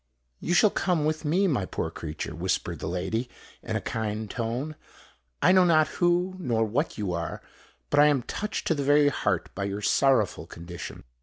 "You shall come with me, my poor creature," whispered the lady, in a kind tone. "I know not who nor what you are; but I am touched to the very heart by your sorrowful condition."